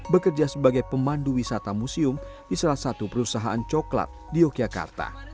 bekerja sebagai pemandu wisata museum di salah satu perusahaan coklat di yogyakarta